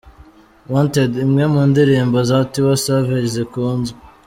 Wanted, imwe mu ndirimbo za Tiwa Savage zikunzwe.